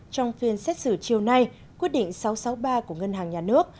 trong phiên xét xử chiều nay quyết định sáu trăm sáu mươi ba của ngân hàng nhà nước